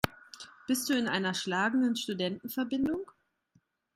Bist du in einer schlagenden Studentenverbindung?